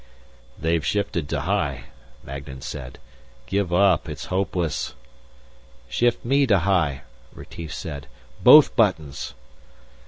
"They've shifted to high," Magnan said. "Give up, it's hopeless." "Shift me to high," Retief said. "Both buttons!"